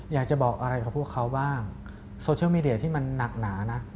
อยากจะบอกอะไรกับพวกเขาบ้างโซเชียลมีเดียที่มันหนักหนานะ